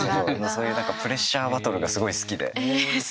そういうプレッシャーバトルがすごい好きで。